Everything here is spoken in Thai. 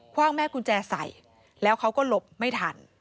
ว่างแม่กุญแจใส่แล้วเขาก็หลบไม่ทัน